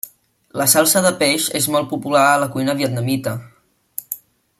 La salsa de peix és molt popular a la cuina vietnamita.